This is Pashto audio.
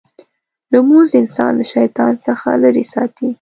لمونځ انسان له شیطان څخه لرې ساتي.